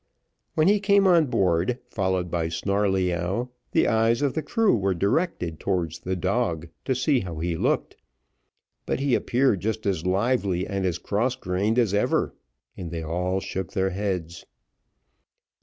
When he came on board, followed by Snarleyyow, the eyes of the crew were directed towards the dog, to see how he looked; but he appeared just as lively and as cross grained as ever, and they all shook their heads.